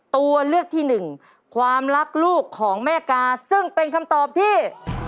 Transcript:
ตัวเลือกที่หนึ่งความรักลูกของแม่กาซึ่งเป็นคำตอบที่